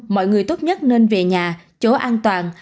mọi người tốt nhất nên về nhà chỗ an toàn